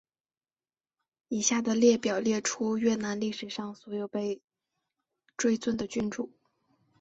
以下的列表列出越南历史上所有被追尊君主。